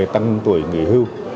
tăng tuổi nghỉ hưu